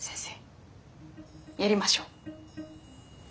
やりましょう。